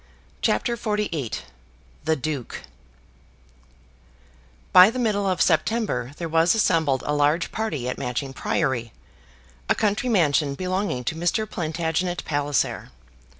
CHAPTER XLVIII "The Duke" By the middle of September there was assembled a large party at Matching Priory, a country mansion belonging to Mr. Plantagenet Palliser.